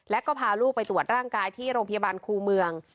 แล้วก็พาลูกไปตรวจร่างกายที่โรงพยาบาลครูเมือง